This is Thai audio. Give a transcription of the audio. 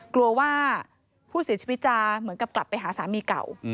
กลัวว่าผู้เสียชีวิตจะเหมือนกับกลับไปหาสามีเก่า